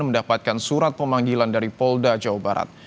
mendapatkan surat pemanggilan dari polda jawa barat